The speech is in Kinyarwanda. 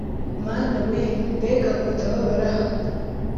Mana We Mbega Ngo Ndababara